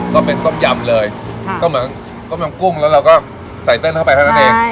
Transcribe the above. ต้มยำเลยก็เหมือนต้มยำกุ้งแล้วเราก็ใส่เส้นเข้าไปเท่านั้นเอง